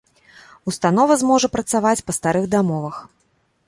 Установа зможа працаваць па старых дамовах.